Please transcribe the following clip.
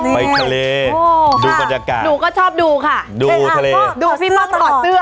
ไปทะเลดูบรรยากาศหนูก็ชอบดูค่ะดูทะเลชอบดูพี่ป้องถอดเสื้อ